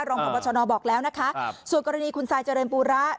รองพบชนบอกแล้วนะคะส่วนกรณีคุณซายเจริญปูระ